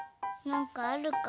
なんかあるか？